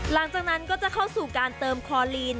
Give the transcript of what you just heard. หลังจากนั้นก็จะเข้าสู่การเติมคอลีน